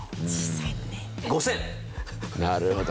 なるほど。